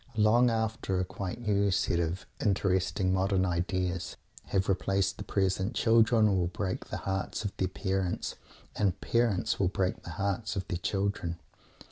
Long after a quite new set of "interesting modern ideas" have replaced the present, children will break the hearts of their parents, and parents will break the hearts of their children.